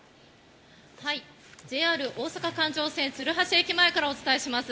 ＪＲ大阪環状線・鶴橋駅前からお伝えします。